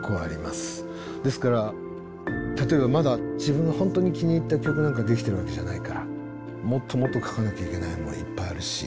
ですから例えばまだ自分が本当に気に入った曲なんかできてるわけじゃないからもっともっと書かなきゃいけないものはいっぱいあるし。